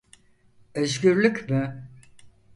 Özgürlük mü?